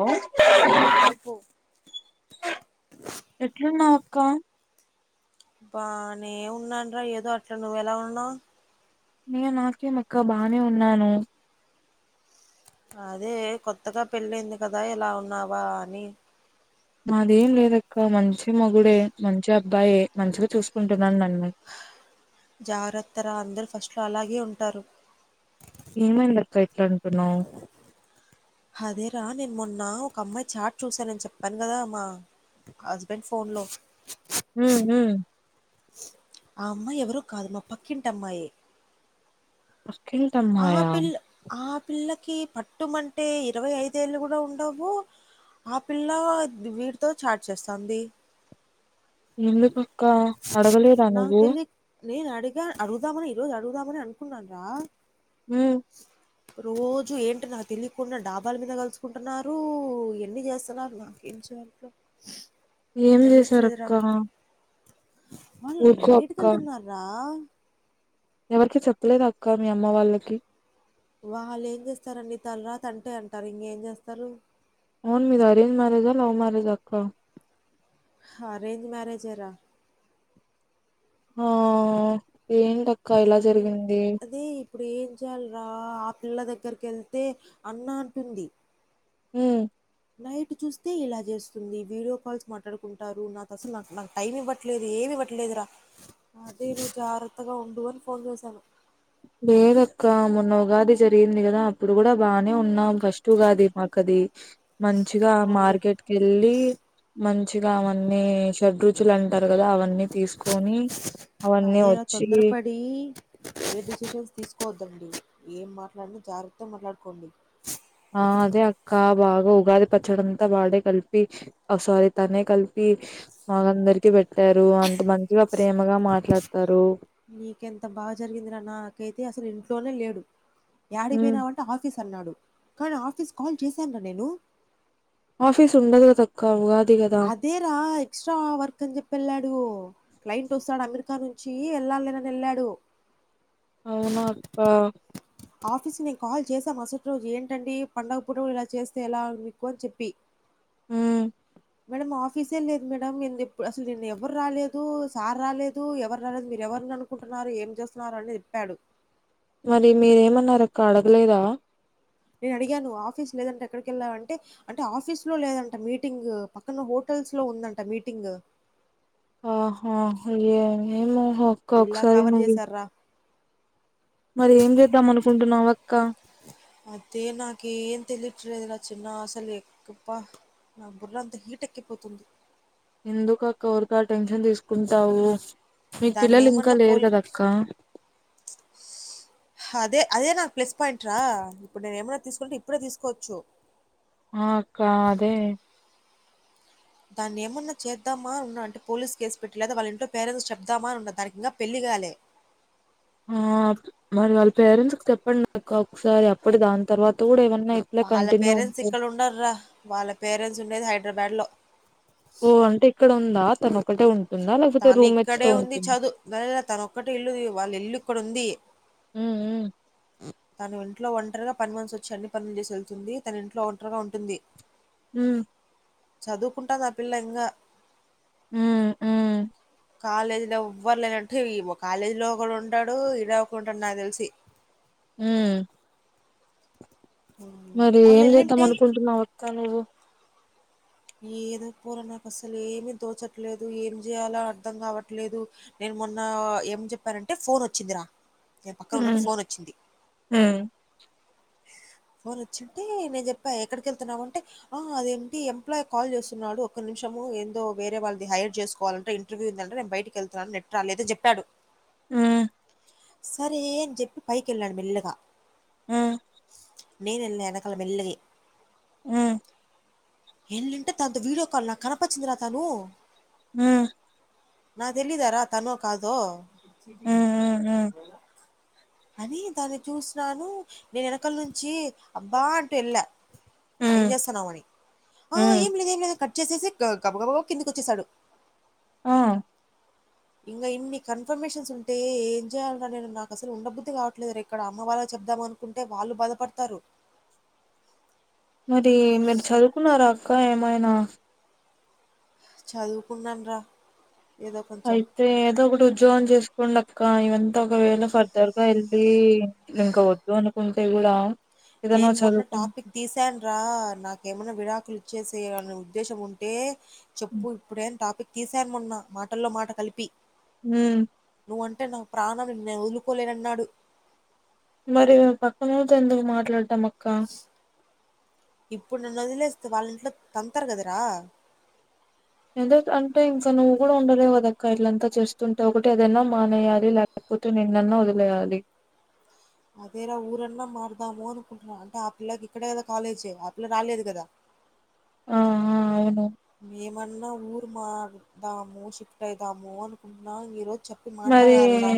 ఆ కోడి అరుపు చెప్పు ఎట్లున్నావ్ అక్క బానేమున్నానరా ఏదో అట్లా నువ్వవు ఎలా ఉన్నావు నే నాకేమ్ అక్క బానే ఉన్నాను అదే కొత్తగా పెళ్ళింది కదా ఏలా ఉన్నావా అని మాదేం లేదక్క మంచి మగుడే మంచి అబ్బాయి మంచిగా చూసుకుంటున్నాను నన్ను జాగ్రత్త రా అందరూ ఫస్ట్లో అలాగే ఉంటారు ఏమైంది అక్క ఎట్లా అంటున్నా అదేరా నేను మొన్న ఒక అమ్మాయి చాట్ చూసానని చెప్పాను కదా మా హస్బెండ్ ఫోన్ లో ఊ హు ఆ అమ్మాయి ఎవరు కాదు మా పక్కింటి అమ్మాయే అమ్మాయా ఆహపిల్ ఆ పిల్లకి పట్టుమంటే ఇరవై ఐదేళ్ళు కూడా ఉండవు ఆ పిల్ల వీటితో చాట్ చేస్తుంది ఎందుకక్కా అడగలేదా నాకు నువ్వు తెలియక్ నేను అడిగా అడుగుదామని ఈరోజు అడుగుదామని అనుకున్నాను రా ఉ రోజు ఏంటి నాకు తెలియకుండా డాబాలు మీద కలుసుకుంటున్నారు ఎన్ని చేస్తున్నారు నాకే చెప్పు ఏం చేసారు అక్క వాళ్ళు బయటక వెళ్తున్న రా ఎవరికి చెప్పలేద అక్క మీ అమ్మ వాళ్ళకి వాళ్ళు ఏం చేస్తారండి తలరాత అంటే అంటారు ఇంగే చేస్తారు అవున్ మీది అరేంజ్ మ్యారేజా లవ్ మ్యారేజా అక్క హరేంజ్ మ్యారేజేరా హా ఏంటక్క ఇలా అని జరిగింది అదే ఇప్పుడు ఏం చేయాల్రా ఆ పిల్ల దగ్గరికి ఎళ్తే అన్న అంటుంది ఊ నైట్ చూస్తే ఇలా చేస్తుంది, వీడియో కాల్స్ మాట్లాడుకుంటారు, నాకు అసల నాక్ టైం ఇవ్వట్లేదు ఏమి. అదే నువ్ జాగ్రత్తగా ఉండు అని ఫోన్ చేశాను లేదక్కా మొన్న ఉగాది జరిగింది గదా అప్పుడు గుడా బానే ఉన్నాం ఫస్ట్ ఉగాది మాక్ అది మంచిగా అవునులే మార్కెట్ కెళ్ళీ మంచిగా అవన్నీ షడ్రుచులు అంటా గదా అవన్నీ తీసుకొని అవన్నీ అదేరా వచ్చీ తొందరపడి ఏ [unintelligible] తీసుకోవద్దండి ఏం మాట్లాడిన జాగ్రత్త మాట్లాడుకోండి కా బాగా ఉగాది పచ్చడంతా వాడే కలిపి ఆ సారి తనే కలిపి మ అందరికి పెట్టారు అంత మంచిగా ప్రేమగా మాట్లాడతారు నీకెంత బాగా జరిగిందిరా నాకైతే అసలు ఇంట్లోనే లేడు యాడి ఉమ్ పోయినావంటే ఆఫీస్ కన్నాడు కానీ ఆఫీస్ కాల్ చేశాను రా నేను ఆఫీస్ ఉండది గద అక్కా ఉగా అదేరా ఎక్స్ట్రా వర్క్ అని చెప్పి ఎళ్ళాడు క్లైంట్ వస్తాడు అమెరికా నుంచి ఎళ్ళాలి నేనని ఎళ్ళాడు అవునా అక్కా ఆఫీస్ నేను కాల్ చేసా మసటి రోజు ఏంటండీ పండగ పూట గుడ ఇలా చేస్తే ఎలా మీకు అని చెప్పి ఉమ్ మేడం ఆఫ్ కీసే లేదు మేడం నేన్ జెప్పు అసలు నిన్న ఎవ్వరు రాలేదూ, సార్ రాలేదూ, ఎవరు రాలేదు, మీరు ఎవరిని అనుకుంటున్న. నారు ఏం చేస్తున్నారు అని చెప్పాడు మరి మీరు ఏమన్నారు అక్క అడగలేదా నేను అడిగాను ఆఫీస్ లేదంటే ఎక్కడికెళ్ళావ్ అంటే, ఆఫీస్ లో లేదంట మీటింగ్ పక్కన హోటల్. టల్స్ లో ఉందంట మీటింగ్ ఆహా అయ్యో ఏమో హక్క ఒక ఇలా సారి కవర్ నువి చేశార్రా." మరి ఏం జేద్దాం అనుకుంటున్నావ్ అక్క అదే నాకు ఏన్ తెలిట్లేదురా చిన్నా అసలే కుప్పా నా బుర్రంత హీట్ ఎక్కిపోతుంది ఎందుకక్క ఊరికె అ టెన్షన్ తీసుకుంటావు మీకు పిల్లలు ఇంకా దాన్నేమన్నా లేరు పోలి గద అక్క అదే, అదే నాకు ప్లస్ పాయింట్ రా ఇప్పుడు నేను ఏమైనా తీసుకుంటే ఇప్పుడే తీసుకోవచ్చు ఆ అక్క అదే దాన్ని ఏమన్నా చేద్దామా ఉన్నా అంటే పోలీస్ కేస్ పెట్టి, లేదా వాళ్ళ ఇంట్లో పేరెంట్స్ చెప్తామా అనున్న దానికి ఇంకా పెళ్లి గ. గాలె [inaudible] ఆ మరి వాళ్ళ పేరెంట్స్ కి చెప్పండి అక్క ఒకసారి అప్పుడు దాని తర్వాత గూడా ఏవన్ వాళ్ళ పేరెంట్స్ ఇక్కడ ఉండర్రా వాళ్ళ పేరెంట్స్ ఉండేది హైడ్రాబాద్ లో ఓ అంటే ఇక్కడ ఉందా తను ఒక్కటే ఉన్ తను ఇక్కడే ఉంది చదు [unintelligible] తన ఒక్కటే ఇల్లు వాళ్ళ ఇల్లు ఇక్కడ ఉంది ఊఉ ఇంట్లో ఒంటరిగా పనిమనిషొచ్చి అన్ని పనులు చేసి వెళ్తుంది, తన ఇంట్లో ఒంటరిగా ఉంటుంది. ఉ చదువుకుంటాది ఆ పిల్ల ఇంగ ఊ ఉ కాలేజీలో ఎవ్వరు లేరంటే ఈమ కాలేజీ లో ఒక ఉంటాడు ఇడ ఒక ఉంటడు నాకు దెలిసి హ్మ్మ్ హ్మ్. మరి ఏం చేద్దాం మొన్నెళ్ళింటే అనుకుంటున్నావ్ ఒక్క నువ్వు ఏదో పోరా నాకు అసలు ఏమి తోచట్లేదు ఏం చేయలో అర్ధం కావట్లేదు నేను మొన్న ఏం చెప్పారంటే ఫోన్ వచ్చిందిరా నేను పక్కన హ్మ్. ఉన్నప్పుడు ఫోన్ వచ్చింది హ్మ్. [inaudible] ఫోన్ వచ్చింటే నేను చెప్పా ఎక్కడికి వెళ్తున్నావు అంటే ఆ అదేంటి ఎంప్లాయ కాల్ చేస్తున్నాడు ఒక నిమిషం ఏందో వేరే వాళ్ళది హైర్ చేసుకోవాలంటే ఇంటర్వ్యూ ఏందంటే నేను బయటకి వెళ్తున్నాను నెట్ రాలేదు అని చెప్పాడు హ్మ్మ్ సరే అని చెప్పి పైకి ఎళ్ళాను మెల్లగా హ్మ్. నేను ఎళ్ళాను ఎనకాల మెల్లగే హ్మ్మ్ వేళ్ళింటే తనతో వీడియో కాల్ నాకు కనపచ్చిందిరా తను హ్మ్మ్ నా తెలిదారా తనో కాదో హ్మ్ హ్మ్ అది దాన్ని చూసినాను నేను వెనకల నుంచి అబ్బా అంటూ ఎళ్ళా హ్మ్ ఏం హ్మ్ చేస్తానవని ఆ హ్మ్ ఏం లేదు ఏం లేదు కట్ చేసేసి గ గబగబాబ కిందికి వచ్చసాడు ఆ ఇంకా ఇన్ని కన్ఫర్మేషన్స్ ఉంటే ఏం చేయాలిరా నేను నాకు అసలు ఉండ బుద్ధి కావట్లేదు ఇక్కడ అమ్మ వాళ్ళకి చెప్ ప్ధం అనుకుంటే వాళ్ళు బాధపడతారు మరి మీరు చదువుకున్నార అక్క ఏమైనా చదువుకున్నాను రా అయితే ఏదో ఒకటి ఉద్యోగం చేసుకోండి అక్క ఇదంతా ఒకవేళ ఫర్దర్ గా వెళ్ళి ఇంక వద్దు అనుకుంటే హలో నేను మొన్న టాపక్ తీసాను రా నాకు ఏమన్నా విడాకులు చేసేయనే ఉద్దేశం ఉంటే హ్మ్ చెప్పు ఇప్పుడే అని టాపిక్ తీసాను మొన్న మాటల్లో మాట కలిపి హ్మ్మ్ నువ్వు అంటే నాకు ప్రాణం నిన్ను నేను వదులుకోలేనన్నాడు మరి పక్కనోలతో ఎందుకు మాట్లాడటం అక్క ఇప్పుడు నన్ను వదిలేస్తే వాళ్ళ ఇంట్లో తంతారు కదరా ఎందు అంటే ఇంకా నువ్వు కూడా ఉండలేవ్ కదక్క ఇట్లంతా చేస్తుంటే ఒకటి అదన్నా మానేయ్యాలి లేక పోతే నిన్నన్న వదిలేయాలి అదేరా ఊరన్నా మార్ మారుద్దాము అనుకుంటున్నాం అంటే ఆ పిల్లకి ఇక్కడే కదా కాలేజ్ ఆ పిల్ల రాలేదు కదా ఆహా అవును మరుద్దాము షిఫ్ట్ అయిదాము అనుకుంటున్నా ఈరోజు చెప్పి మరి మాట్లాడాలిరా.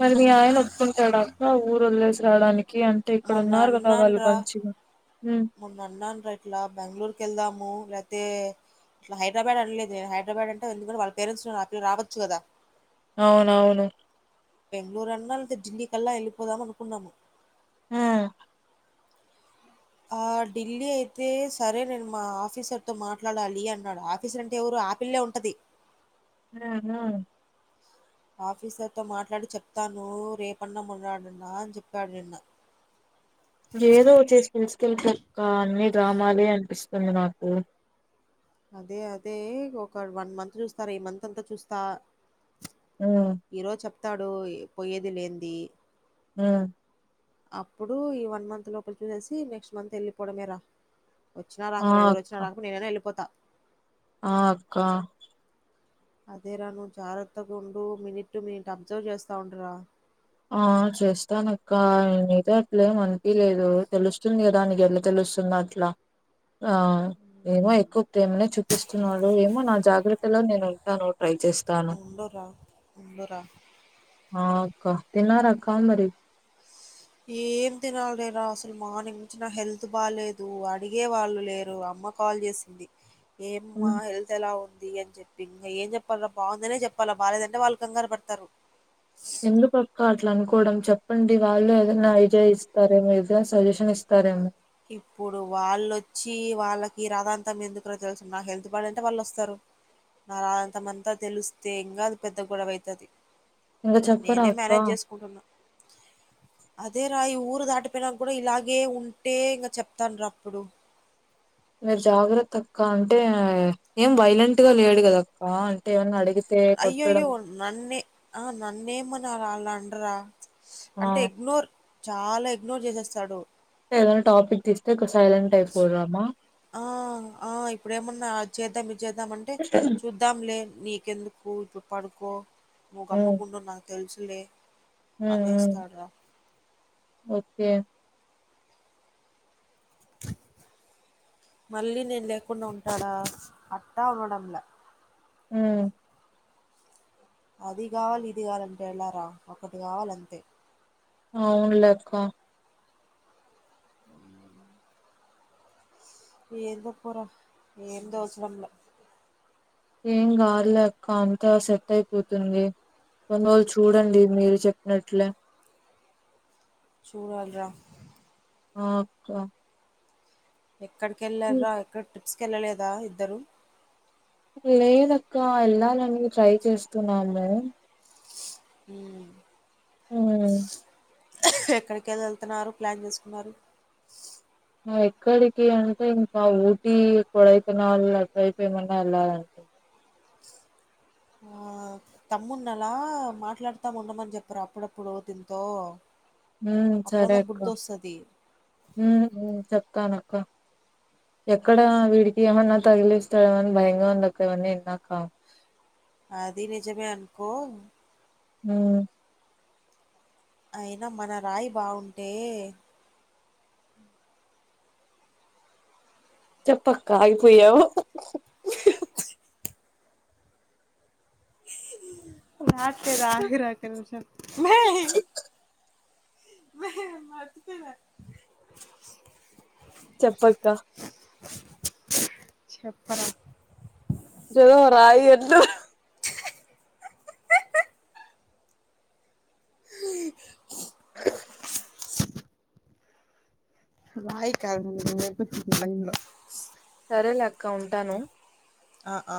మరి మీ ఆయన ఒప్పుకుంటాడా అక్క ఊరు వదిలేసి రావడానికి కి అంటే ఇక్కడ మొన్న ఉన్నారు కదా వాళ్ళు అన్నానురా మంచిగా ఉమ్ మొన్న అన్నాను రా ఇట్లా బెంగళూరుకి వెళ్దాము తే ఇట్ల హైదరాబాద్ అనలేదు హైదరాబాద్ అంటే ఎందుకంటే వాళ్ళ పేరెంట్స్ ఉన్నారు ఆ పిల్ల రావచ్చు కదా అవునవును బంగళూరు అన్నా లేకపోతే డిల్లీ కి ఆళ్ల వెళ్లిపోదాం అనుకున్నాము ఉమ్ ఆ ఢిల్లీ అయితే సరే నేను మా ఆఫీసర్ తో మాట్లాడాలి అన్నాడు ఆఫీసర్ అంటే ఎవరు ఆ పిల్లే ఉంటది హ్మ్మ్ హ్మ్మ్ ఆఫీసర్తో మాట్లాడి చెప్తాను రేపన్న మన్నాడన్నా అని చెప్పాడు నిన్న ఏదో ఒకటి చేసి తీసుకెళ్లి పో అక్క అన్ని డ్రామాలే అనిపిస్తుంది నాకు అదే అదే ఒక వన్ మంత్ చూస్తార ఈ మంత్ అంతా చూస్తా ఉమ్ ఈరోజు చెప్తాడు పోయేది లేంది ఆ అప్పుడు ఈ వన్ మంత్ లోపల చూసేసి నెక్స్ట్ మంత్ వెళ్ళిపోవడమే రా వచ్చా ఆ రాకపో ఎవరు అక్క వినా రాక నేనేనా వెళ్ిపోతా ఆ అక్కా అదే రా నువు జాగ్రత్తగా ఉండు మినిట్ టు మినిట్ అబ్జర్వ్ చేస్తా ఉండరా ఆ చేస్తానక్క నీతో అట్లేం అనిపిలేదు తెలుస్తుంది కదానికి ఎల్లా తెలుసు స్తున్నాట్లా ఆ ఏమో ఎక్కువ ప్రేమనే చూపిస్తున్నాడు ఏమో నా జాగ్రత్తలో నేను ఉంటాను ట్రై ఉండురా. ఉండురా. చేస్తానుకా తిన్నారా అక్క మరి ఏం తెనా లేే రాస అసలు మార్నింగ్ నుంచి నా హెల్త్ బాలేదు అడిగే వాళ్ళు లేరు అమ్మ కాల్ చేసింది ఏం మా ఉమ్, హెల్త్ ఎలా ఉ అని చెప్పి ఇంకా ఏం చెప్పాలరా బాగుందనే చెప్పాలా బాగాలేదంటే వాళ్ళు కంగారు పడతారు ఎందుకుక్క అట్లా అనుకోవడం చెప్పండి వాళ్ళు ఏదైనా ఐడియా ఇస్తారేమో ఏదైనా సజెషన్ ఇస్తారేమో ఇప్పుడు వాళ్ళుొచ్చి వాళ్ళకి రాథాంతం ఎందుకుో తెలుసు నా హెల్త్ బాడ్ అంటే వాళ్ళు వస్తారు నాంతమంతా తెలుస్తే ఇంకాది పెద్ద గొడవ అైతుది ఇంగ చెప్పరా అక్కా అదే రా ఈ ఊరు దాటిపోయినా కూడా ఇలాగే ఉ అట్టే ఇంకా చెప్తాను రా అప్పుడు మీరు జాగ్రత్త అక్క అంటే ఏం వైలెంట్ గా లేడు కదక్క అంటే ఏమన్నా అడిగి అయ్యో అయ్యో నన్నే ఆ నన్నేమని అలా అళ్ళ అండరా ఆ అంటే ఎగ్నోర్ చాలా ఇగ్నోర్ చేసేస్తాడు ఏదనా టాపిక్ తీస్తే సైలెంట్ అయిపోదామా ఆ ఆ ఇప్పుడు ఏమన్నా చేేద్దా చేద్దాంటే ఉమ్ చూద్దాంలే నీకెందుకు ఇప్పుడు పడుకో నువ్వు ఉమ్ గమ్ముకుంటు నాకు తెలుసులే అనేస్తాడు రా ప మళ్ళీ నేను లేకుండా ఉంటాడా అట్టా ఉండడంలా హుమ్ అది కావాలి ఇది కావాలంటే ఎళారా ఒకటి కావాలంతే అవును లక్క ఎంత పర ఎంత వసరంల ఏం గాదు లే అక్క అంతా సెట్ అయిపోతుంది కొన్ని రోజళు చూడండి మీరు చెప్పినట్లే చూడాల రా ఓక ఎక్కడికి వెళ్ళారరా ఎక్కడ ట్రిప్స్కి వెళ్ళలేదా ఇద్దరు లేదక్క వెళ్ళాలని ట్రై చేస్తున్నాము ఈ హ ఎక్కడికి వెళ్ళ వెళ్తున్నారు ప్లాన్ చేసుకున్నారు ఎక్కడికి అంటే ఇంకా ఊటీ కొడైతనాళ్ళ అట్ైపో ఏమన్నా వెళ్ళాలంట తమ్మున్నాలా మాట్లాడుతాము ఉండమని చెప్పారు అప్పుడప్పుడు దీంతో హుమ్ సరే అప్పుడన్నా అక్క బుద్ధి వస్తది హుమ్ చెప్తాను అక్క ఎక్కడ వీడికి ఏమన్నా తగిలిస్తాడ ఏమని భయంగా ఉందక్క ఇవన్నీ విన్నాక అది నిజమే అనుకో హ అయినా మన రాయి బావుంటే చెప్పక్క ఆగిపోయావు రాలేదురా [inaudible] రకాషా వద్దులే చెప్పక్క చెప్పరా ఏదో రాయి ఎద్దు అ [inaudible] రాయి కాదు [inaudible] సరేలే అక్క ఉంటాను ఆ ఆ